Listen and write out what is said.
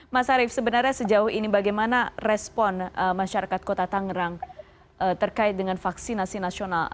mas arief sebenarnya sejauh ini bagaimana respon masyarakat kota tangerang terkait dengan vaksinasi nasional